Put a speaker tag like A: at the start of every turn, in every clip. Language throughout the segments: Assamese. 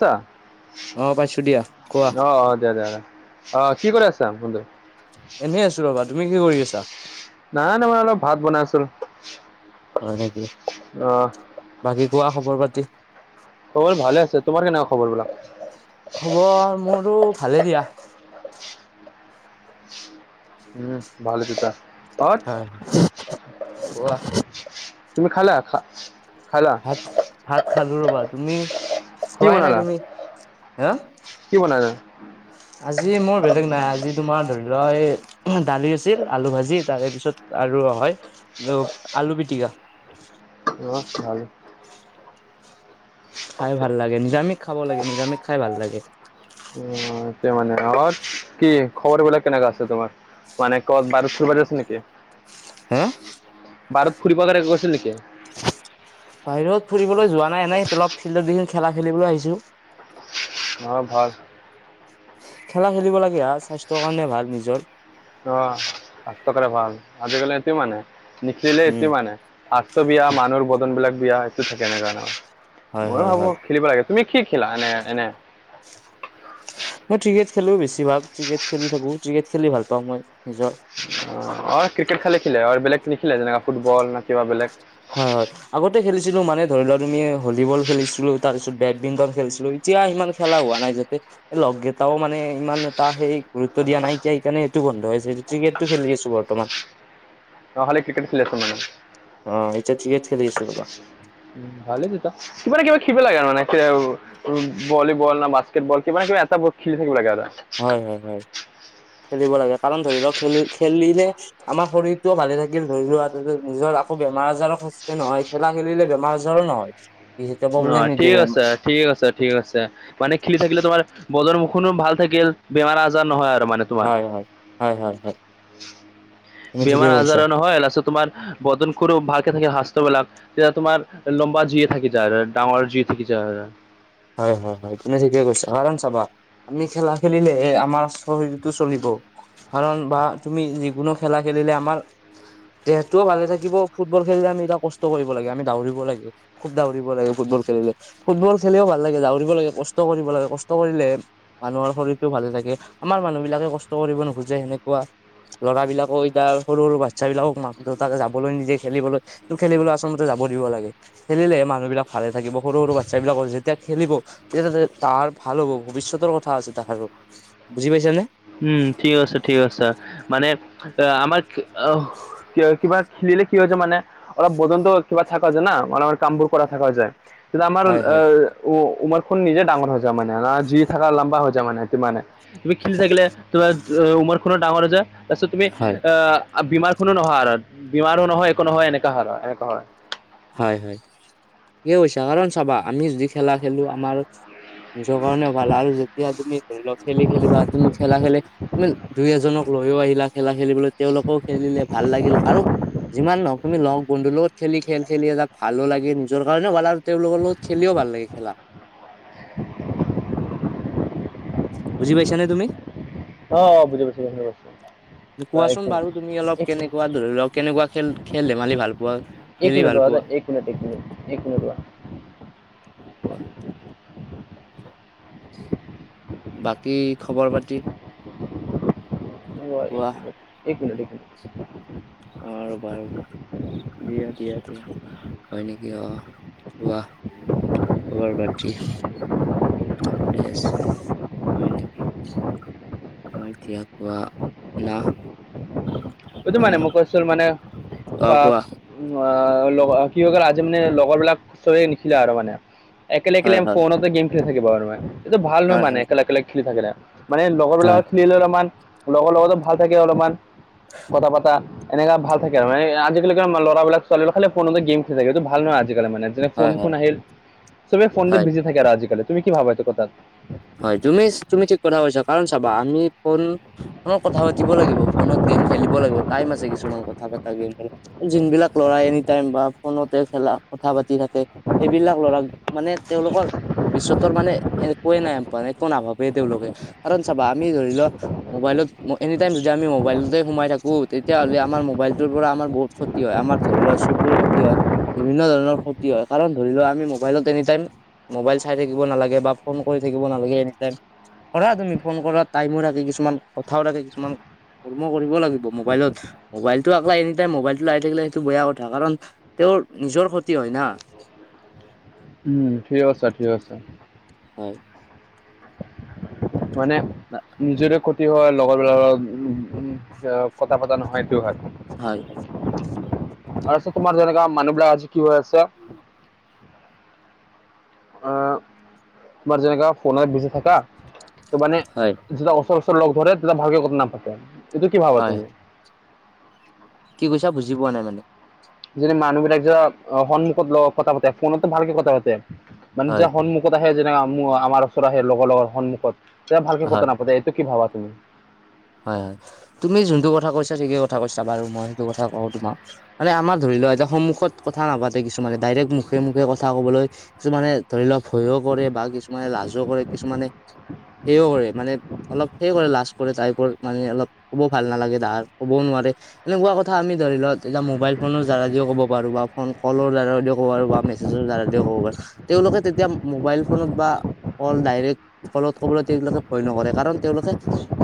A: ছা,
B: অ পাইছো দিয়া কোৱা
A: আহ আহ দিয়া দিয়া। অ'কি কৰি আছা বন্ধু?
B: এনে আছো ৰবা তুমি কি কৰি আছা?
A: নাই নাই মই অলপ ভাত বনাই আছিলো।
B: হয় নেকি
A: অ
B: বাকী কোৱা খবৰ পাতি।
A: খবৰ ভালে আছে, তোমাৰ কেনেকুৱা খবৰবিলাক?
B: খবৰ মোৰতো ভালেই দিয়া।
A: উম, ভাল।
B: হয়। কোৱা
A: তুমি খালা। খালা
B: ভাত - ভাত খালো ৰ'বা তুমি?
A: কি
B: খোৱাই নাই
A: বনালা,
B: তুমি হা
A: কি বনালা?
B: আজি মোৰ বেলেগ নাই, আজি তোমাৰ ধৰি লোৱা এই। দালি আছিল, আলু ভাজি তাৰে পিছত আৰু হয় আলু পিটিকা।
A: উম ভালেই।
B: খাই ভাল লাগে, নিৰামিষ খাব লাগে নিৰামিষ খাই ভাল লাগে।
A: উম, তেনেকৈ মানে আৰু কি খবৰ বিলাক কেনেকা আছে তোমাৰ মানে কত বাৰু। ফ আছিল নেকি
B: হা
A: বাৰত ফুৰিব গ গৈছিল নেকি [unintelligible]
B: বাহিৰত ফুৰিবলৈ যোৱা নাই, এনেই অলপ ফিল্ডত দেখি খেলা খেলিবলৈ আহিছো।
A: অ' ভাল।
B: খেলা খেলিব লাগে স্বাস্থ্যৰ কাৰণে ভাল নিজৰ।
A: অ আঠ টকা এটা ভৰা হ'ল আজিকালি সেটো মানে নিখিলে
B: উম
A: এইটো মানে শাস্ত্ৰ বিয়া মানুহৰ বদনবিলাক বিয়া এইটো থাকে এনেকা ন,
B: হয়
A: মইয়ো
B: হয়
A: ভাবো
B: হয়
A: খেলিব লাগে। তুমি কি খিলা এনে এনে?
B: মই ত্ৰিকেট খেলো বেছি ভাগ, ত্ৰিকেট খেলি থাকো, ত্ৰিকেট খেলি ভাল পাওঁ মই নিজৰ।
A: অ ক্ৰিকেট খালী খেলে বেলেগ নিখিলে যেনেকা ফুটবল না কিবা বেলেগ?
B: হয় হয় আগতে খেলিছিলো মানে ধৰি লোৱা তুমি ভলীবল খেলিছিলো তাৰ পিছত বেডমিন্টন খেলিছিলো। তিয়া সিমান খেলা হোৱা নাই যাতে লগ গেটাও মানে ইমান এটা সেই গুৰুত্ব দিয়া নাই এতিয়া এইকাৰণে এইটো বন্ধ হৈছে। ত্ৰিকেটটো খেলি আছো বৰ্তমান।
A: নহ'লে ক্ৰিকেট খেলি আছ মানে।
B: অ এতিয়া ত্ৰিকেট খেলি আছো ৰবা।
A: উ ভালেই তিতা কিবা নহয় কিবা খিব লাগে আৰু মানে [unintelligible] ভলীবল না বাস্কেট বল কিবা না কিবা এটা খেলি থাকিব লাগে আৰে।
B: হয় হয় হয় খেলিব লাগে কাৰণ ধৰি লওক খেলি খেলিলে আমাৰ শৰীৰটোও ভালে থাকিল ধৰি লোৱা নিজৰ আকৌ বেমাৰ আজাৰো সজ কে নহয়। খেলা খেলিলে বেমাৰ আজাৰো নহয় বিশেষকে
A: অ
B: প্ৰব্লেম নিদিয়ে
A: ঠিক
B: বেমা-
A: আছে ঠিক আছে ঠিক আছে। মানে খেলি থাকিলে তোমাৰ বদৰ মুখনো ভাল থাকিল বেমাৰ আজাৰ নহয় আৰু মানে তোমাৰ
B: হয় হয়, হয় হয় হয়। তুমি ঠিকে
A: বেমাৰ
B: কৈছা
A: আজাৰো নহয় লাষ্টত তোমাৰ বদন খুৰো ভালকে থাকে সাস্থ্যবিলাক তেতিয়া তোমাৰ লম্বা যিয়ে থাকি যায় ডাঙৰ যি থাকি যায়।
B: হয় হয় হয় তুমি ঠিকে কৈছা হৰণ চাবা আমি খেলা খেলিলে আমাৰ শৰীৰটো চলিব। কাৰণ বা তুমি যিকোনো খেলা খেলিলে আমাৰ দেহটোও ভালে থাকিব ফুটবল খেলিলে আমি এটা কষ্ট কৰিব লাগে আমি দাউৰিব লাগে। খুব দাউৰিব লাগে ফুটবল খেলিলে, ফুটবল খেলিও ভাল ভাল লাগে দাউৰিব লাগে কষ্ট কৰিব লাগে কষ্ট কৰিলে মানুহৰ শৰীৰটোও ভালে থাকে আমাৰ মানুহবিলাকে কষ্ট কৰিব নোখোজে সেনেকুৱা লৰাবিলাকৈ এতিয়া সৰু সৰু বাচ্ছবিলাকক মাক-দেউতাকে যাবলৈ নিদিয়ে খেলিবলৈ। টো খেলিবলৈ আচমতে যাব দিব লাগে। খেলিলে মানুহবিলাক ভালে থাকিব, সৰু সৰু বাচ্ছাবিলাকৰ যিট তেতিয়া খেলিব তেতিয়াতে তাৰ ভাল হ'ব ভৱিষ্যতৰ কথা আছে তাহাৰো বুজি পাইছ নে?
A: উম ঠিক আছে ঠিক আছে মানে আমাক আহও কি কিবাক খেলিলে কি হৈছে মানে অলপ বদনটো কিবা থাকা যা না মানুহৰ কামবোৰ কৰা থাকা যায়। কিন্তু আমাৰ
B: হয় হয়
A: আহ উ উমাৰখন নিজে ডাঙৰ হৈ যায় মানে না যি থাকা লম্বা হৈ যায় মানে তিমানে তুমি খেলি থাকিলে তোমাৰ উমৰখনো ডাঙৰ হৈ যায় তাছত তুমি
B: হয়
A: আ আ বিমাৰখনো নহয় আৰৰ বিমাৰো নহয় একো নহয় এনেকুৱা আৰ এনেকুৱা হয়।
B: হয় হয় ইউ হৈছা কাৰণ চাবা আমি যদি খেলা খেলো আমাৰ যৰ কাৰণে ভাল আৰু যেতিয়া তুমি ধৰি লোৱা খেলি খেলি বা তুমি খেলা খেলি তুমিন দুই এজনক লৈও আহিলা খেলা খেলিবলৈ তেওঁলোকেও খেলিলে ভাল লাগিল আৰু যিমান নওক তুমি লগ বন্ধুৰ লগত খেলি খেল খেলি এজাক ভালো লাগে নিজৰ কাৰণেও ভাল আৰু তেওঁলোকৰ লগত খেলিও ভাল লাগে খেলা। বুজি পাইছানে তুমি?
A: অ বুজি পাইছো [unintelligible]
B: কোৱাচোন বাৰু তুমি অলপ কেনেকুৱা ধৰি লওক কেনেকুৱা খেল খেল ধেমালি ভাল পোৱা খেলি ভাল
A: ৰোৱা
B: পোৱা
A: দেই এক মিনিট এক মিনট এক মিনিট ৰোৱা।
B: ৱাহ। বাকী খবৰ পাতি।
A: এক
B: কোৱা
A: মিনট এক মিনট এক মিনিট।
B: অঁ ৰ'বা ৰ'বা, দিয়া দিয়া দিয়া। হয় নেকি, অঁ কোৱা খবৰ পাতি। ভালে আছো, হয় নেকি। হয় দিয়া, কোৱা না।
A: বুজো
B: অ
A: মানে মোক কৈছিল মানে,
B: অ
A: ফাক।
B: কোৱা
A: লগ কি হৈ গল আজি মানে লগৰ বিলাক খুচৰি নিখিলে আৰু মানে। একেল একেলে
B: হয় হয়
A: ফোনতে গেম খেলি থাকিব আৰু মানে, এইটো ভাল নহয়
B: হয়
A: মানে
B: হয়
A: একেলে একেলে খেলি থাকিলে। মানে
B: হয়
A: লগৰবিলাকত খেলিলেও অলপমান লগৰ লগতো ভাল থাকে অলপমান কথা পতা। এনেকা ভাল থাকে মানে আজিকালি কিবা লৰাবিলাক ছোৱালীবিলাক খালি ফোনতে গেম খেলি থাকে এইটো ভাল নহয আজিকালি মানে। যেনে, ফোন
B: হয়
A: ফোন
B: হয়
A: আহিল চবে ফোনটে
B: হয়
A: বিজি থাকে আৰু আজিকালি তুমি কি ভাবা এইটো কথাত?
B: তুমিচ তুমি ঠিক কথা কৈছা কাৰণ চাবা আমি ফন- অঁ কথা পাতিব লাগিব ফোনত গেম খেলিব লাগিব টাইম আছে কিছুমান কথা পাতা গেম খেলা। যোন বিলাক ল'ৰাই এনি টাইম বা ফোনতে খেলা কথা পাতি থাকে- সেইবিলাক ল'ৰাক মানে তেওঁলোকৰ ভৱিষ্যতৰ মানে একোৱে নাই। মানে একো নাভাবেই তেওঁলোকে কাৰণ চাবা আমি ধৰি ল- মোবাইলত এনি টাইম যদি আমি মোবাইলটোতে সোমাই থাকো তেতিয়াহ'লে আমাৰ মোবাইলটোৰ পৰা আমাৰ বহুত খত- ক্ষতি হয় আমাৰ ধৰি লোৱা চকুৰ ক্ষতি হয় বিভিন্ন ধৰণৰ ক্ষতি হয় কাৰণ ধৰি লও আমি মোবাইলত এনিটাইম- মোবাইল চাই থাকিব নালাগে বা ফোন কৰি থাকিব নালাগে এনিটাইম। কৰা তুমি ফোন কৰা টাইমো লাগে কিছুমান কথাও লাগে কিছুমান। কৰ্ম কৰিব লাগিব মোবাইলত। মোবাইলটো আক এনি টাইম মোবাইলটোলে আহি থাকিলে সেইটো বেয়া কথা কাৰণ তেওঁৰ নিজৰ ক্ষতি হয় না।
A: উম' ঠিক কৈছা, ঠিক কৈছা।
B: হয়।
A: মানে,
B: না।
A: নিজৰে ক্ষতি হয় লগৰবিলাকৰ উ কথা পতা নহয়টো হাত-
B: হয়।
A: আৰুটো তোমাৰ যেনেকা মানুহ বিলাক আজি কি হৈ আছে। আহ তোমাৰ যেনেকা ফোনত বিজি থাকা ত মানে- যেতিয়া ওচৰ ওচৰ লগ ধৰে তেতিয়া ভালকে কথা নাপাতে এইটো কি ভাবা
B: হয়
A: তুমি?
B: কি কৈছা? বুজি পোৱা নাই মানে।
A: যেনে মানুহবিলাক যে সন্মুখত ল কথা পাতে ফোনতো ভালকে কথা পাতে মানে
B: হয়
A: যেতিয়া সন্মুখ- খত আহে যেনে, আমো আমাৰ ওচৰত আহে লগৰ লগৰ সন্মুখত তে ভালকে কথা
B: হয়
A: নাপাতে এইটো কি ভাবা তুমি?
B: হয় হয়, তুমি যোনটো কথা কৈছা ঠিকেইে কথা কৈছা বাৰু মই সেইটো কথা কওঁ তোমাক। মানে আমাৰ ধৰি লোৱা এটা সন্মুখত কথা নাপাতে কিছুমানে ডাইৰেক্ট মুখে মুখে কথা ক'বলৈ- কিছুমানে ধৰি লওক ভয়ো কৰে বা কিছুমানে লাজো কৰে কিছুমানে- সেইও কৰে মানে অলপ সেই কৰে লাষ্ট কৰে তাই। মানে অলপ ক'ব ভাল নালাগে ধাৰ ক'বও নোৱাৰে এনেকুৱা কথা আমি ধৰি লত- এতিয়া মোবাইল ফনৰ দ্বাৰা দিয়ে ক'ব পাৰো বা ফোন কলৰ দ্বাৰাদিয়ে ক'ব পাৰো বা মেছেজৰ দ্বাৰা দিয়ে ক'ব পাৰো। তেওঁলোকে তেতিয়া মোবাইল ফোনত বা- কল ডাইৰেক্ট কলত কবলৈ তেওঁলোকে ভয় নকৰে কাৰণ তেওঁলোকে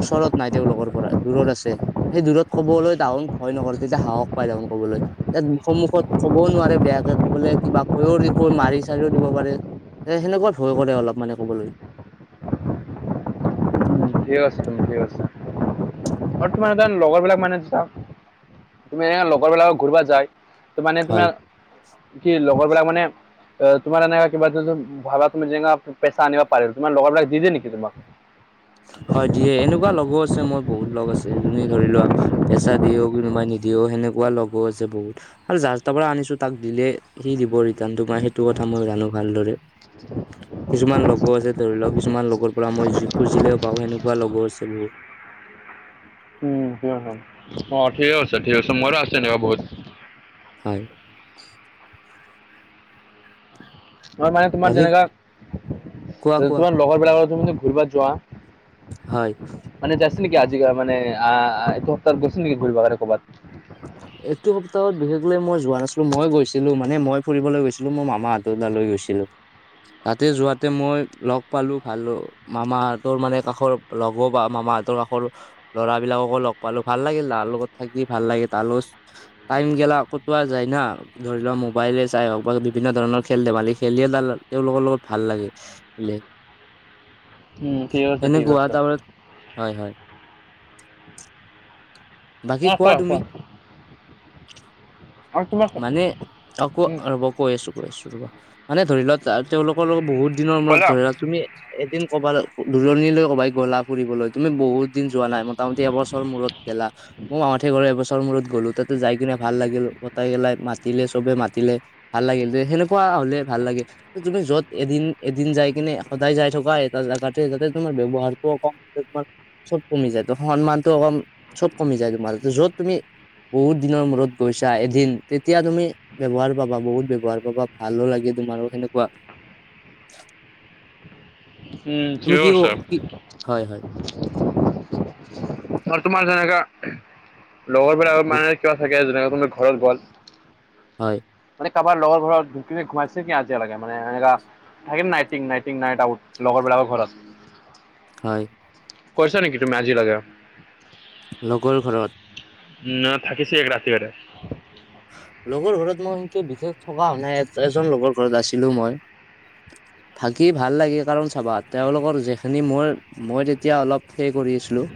B: ওচৰত- নাই তেওঁলোকৰ পৰা দূৰত আছে। সেই দূৰত ক'বলৈ দাহন ভয় নকৰে তেতিয়া সাহস পায় দাহন ক'বলৈ। ইয়াত সন্মুখত ক'বও নোৱাৰে বেয়াকে ক'বলে কিবা কৈও কৈ মাৰি চাৰিও দিব পাৰে। এ সেনেকুৱা ভয় কৰে অলপ মানে ক'বলৈ।
A: ঠিকে কৈছা তুমি ঠিকে কৈছা আৰু তোমাৰ লগৰ বিলাক মানে যা তুমি এনে লগৰবিলাক ঘূৰিব যায় ত' মানে
B: হয়
A: তোমা কি লগৰবিলাক মানে এ তোমাৰ এনেকা কিবা ভাবা তুমি যেনিবা পেচা আনিব পাৰিল তোমাৰ লগৰবিলাক দি দিয়ে নেকি তোমাক?
B: হয় দিয়ে এনেকুৱা লগৰো আছে মোৰ বহুত লগ আছে যোনে ধৰি লোৱা পেচা দিয়েও কোনোবা নিদিয়েও সেনেকুৱা লগৰো আছে বহুত। আৰু যাৰ তাৰ পৰা আনিছো তাক দিলে সি দিব ৰিটাৰ্ণটো মই সেইটো কথা মই জানো ভালদৰে। কিছুমান লগো আছে ধৰি লোৱা কিছুমান লগৰ পৰা মই যি খুজিলেও পাওঁ। আৰু সেনেকুৱা লগৰো আছে বহুত।
A: উম, অ ঠিকে আছে ঠিক আছে মোৰো আছে এনেকুৱা বহুত।
B: হয়।
A: মোৰ মানে তোমাৰ
B: বাকী
A: যেনেকা
B: কোৱা কোৱা
A: তোমাৰ লগৰ বিলাকৰ লগত তুমি যে ঘূৰিব যোৱা
B: হয়।
A: মানে যাইছিল নেকি আজি মানে আহ এইটো সপ্তাহত গৈছিল নেকি ঘূৰিব কাৰণে ক'ৰবাত?
B: এইটো সপ্তাহত বিশেষ লৈ মই যোৱা নাছিলোঁ মই গৈছিলোঁ মানে মই ফুৰিবলৈ গৈছিলোঁ মোৰ মামাহঁ তালৈ গৈছিলোঁ। তাতে যোৱাতে মই লগ পালোঁ ভাল মামাহঁতৰ মানে কাষৰ লগ বা মামাহঁতৰ কাষৰ ল'ৰা বিলাককো লগ পালোঁ ভাল লাগিল ল'ৰাৰ লগত থাকি ভাল লাগিল। তালচ টাইম গেলা কতোৱা যায় না। ধৰি লোৱা মোবাইলে চাই হওঁক বা বিভিন্ন ধৰণৰ খেল ধেমালি খেলিয়ে তা ল' তেওঁলোকৰ লগত ভাল লাগে। লে,
A: উম, ঠিক আছে ঠিক
B: সেনেকুৱা
A: আছে।
B: তামা হয় হয়। বাকী
A: অ কোৱা
B: তুমি
A: কোৱা? আৰু তোমাক
B: মানে আকৌ
A: উম,
B: অ ৰ'ব কৈ আছোঁ কৈ আছোঁ ৰ'বা, মানে ধৰি লোৱা তা তেওঁলোকৰ লগত বহুত দিনৰ
A: ক'লা?
B: মোৰত ধৰি লোৱা তুমি এদিন ক'বালে দূৰণিলৈ ক'বাই গ'লা ফুৰিবলৈ তুমি বহুত দিন যোৱা নাই মোটামুটি এবছৰৰ মোৰত গেলা। মও মামাহঁতে ঘৰে এবছৰ মোৰত গ'লো তাতে যাই কিনে ভাল লাগিল। তাই গেলাই মাতিলে চবে মাতিলে ভাল লাগিল যে সেনেকুৱা হ'লে ভাল লাগে। তুমি য'ত এদিন এদিন যাই কিনে সদায় যাই থকা এটা জেগাতে তাতে তোমাৰ ব্যৱহাৰটো কম তাতে তোমাৰ চব কমি যায় ত' সন্মানটোৱ কম চব কমি যায় তোমাৰ য'ত তুমি বহুত দিনৰ মোৰত গৈছা এ এদিন তেতিয়া তুমি ব্যৱহাৰ পাবা বহুত ব্যৱহাৰ পাবা ভালো লাগে তোমাৰো সেনেকুৱা।
A: উম
B: তুমি
A: ঠিকে
B: কি
A: কৈছ।
B: কি হয় হয়
A: আৰু তোমাৰ যেনেকা লগৰ বিলাকত মানে কিবা থাকে যেনেকে কোনোবা ঘৰত গ'ল।
B: হয়।
A: মানে কাৰোবাৰ লগৰ ঘৰত তু তুমি ঘোমাইছে কি আজিলৈকে মানে এনেকা থাকিম নাই টিং নাই টিং নাই দাউট লগৰ বিলাকৰ ঘৰত।
B: হয়।
A: কৈছা নেকি তুমি আজিলৈকে?
B: লগৰ ঘৰত?
A: ন' থাকিছি এক ৰাতি বাৰে।
B: লগৰ ঘৰত মই সেনকে বিশেষ থকা হোৱা নাই। এজন লগৰ ঘৰত আছিলো মই। [unintelligible] থাকি ভাল লাগে কাৰণ চাবা, তেওঁলোকৰ যিখিনি মই, মই তেতিয়া অলপ সেই কৰি আছিলোঁ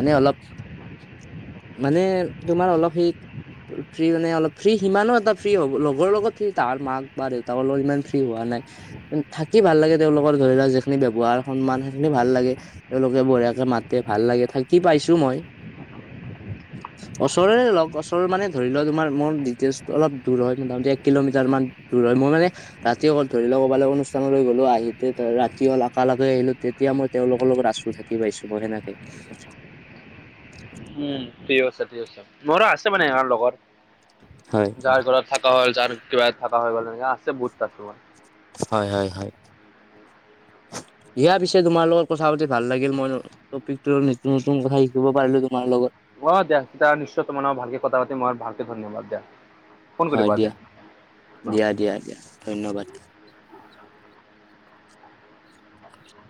B: মানে অলপ, মানে তোমাৰ অলপ সেই ফ্ৰী মানে অলপ ফ্ৰী, সিমানো এটা ফ্ৰী হ'ব লগৰ লগত ফ্ৰী। তাৰ মাক বা দেউতাকৰ লগত ইমান ফ্ৰী হোৱা নাই। থাকি ভাল লাগে। তেওঁলোকৰ ধৰি লোৱা যিখিনি ব্যৱহাৰ সন্মান সেইখিনি ভাল লাগে। তেওঁলোকে বঢ়িয়াকে মাতে, ভাল লাগে থাকি পাইছো মই। ওচৰৰে লগ ওচৰৰ মানে ধৰি লও তোমাৰ মোৰ ডিটেইলচটো অলপ দূৰ হয়। মোটামুটি এক কিলোমিটাৰমান দূৰ হয়। মই মানে ৰাতি অকল ধৰি লও ক'বালে অনুষ্ঠানলৈ গ'লো আহি ৰাতি হল, আকালগে আহিলো তেতিয়া মই তেওঁলোকৰ লগত আছো থাকি কি পাইছো, মই সেনেকে।
A: উম ঠিক আছে, ঠিক আছে। মোৰো আছে মানে ইয়াৰ লগত।
B: হয়।
A: যাৰ ঘৰত থাকা হ'ল, যাৰ কিবাহত থাকা হৈ গ'ল হয় ন'। এনেকা আছে বহুত কাস্তমাৰ।
B: হয় হয় হয়। দিয়া পিছে তোমাৰ লগত কথা পাতি ভাল লাগিল। [unintelligible] টপিকটো নতুন নতুন কথা শিকিব পাৰিলো তোমাৰ লগত।
A: অ দিয়া তা নিশ্চয় তোমাৰ ভালকে কথা পাতিম মই, ভালকে ধন্যবাদ দিয়া। ফোন
B: হয়
A: কৰিবা
B: দিয়া। দিয়া দিয়া দিয়া ধন্যবাদ।